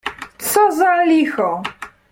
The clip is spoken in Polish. "Co za licho!"